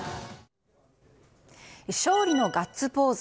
勝利のガッツポーズ。